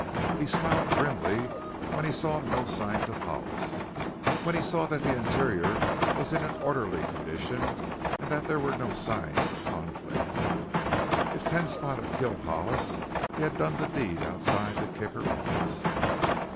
He smiled grimly when he saw no signs of Hollis; when he saw that the interior was in an orderly condition and that there were no signs of a conflict. If Ten Spot had killed Hollis he had done the deed outside the Kicker office.